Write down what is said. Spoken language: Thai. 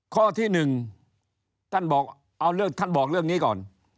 ข้อที่๑ท่านบอกเรื่องนี้ก่อน